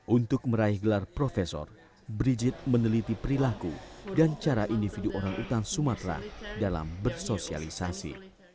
untuk meraih gelar profesor brigit meneliti perilaku dan cara individu orang utan sumatera dalam bersosialisasi